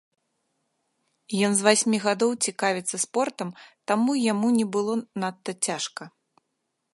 Ён з васьмі гадоў цікавіцца спортам, таму яму не было надта цяжка.